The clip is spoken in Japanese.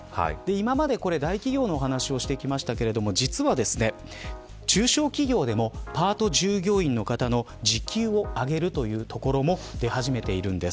今まで大企業の話でしたが実は中小企業でもパート従業員の方の時給を上げるというところも出始めているんです。